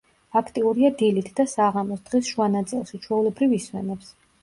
აქტიურია დილით და საღამოს, დღის შუა ნაწილში ჩვეულებრივ ისვენებს.